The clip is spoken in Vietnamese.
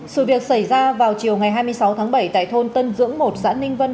sự việc xảy ra vào chiều ngày hai mươi sáu tháng bảy tại thôn tân dưỡng một xã ninh vân